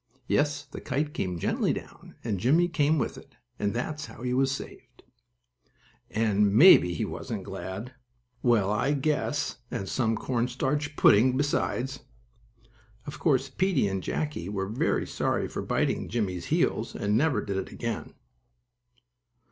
Yes, the kite came gently down, and Jimmie came with it, and that's how he was saved! And, maybe he wasn't glad! Well, I just guess, and some cornstarch pudding besides! Of course Peetie and Jackie were very sorry for biting Jimmie's heels and never did it again.